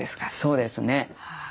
そうですね。